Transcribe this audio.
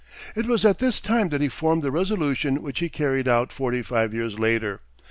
It was at this time that he formed the resolution which he carried out forty five years later.